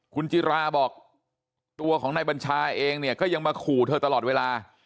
คุณจิราบอกตัวของนายบัญชาเองเนี่ยก็ยังมาขู่เธอตลอดเวลา